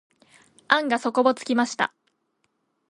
案が底をつきました。